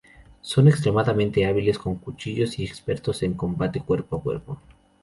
Son extremadamente hábiles con cuchillos y expertos en combate cuerpo a cuerpo.